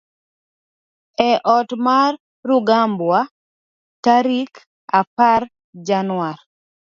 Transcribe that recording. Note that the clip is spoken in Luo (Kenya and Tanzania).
e ot mar Rugambwa tarik apar januar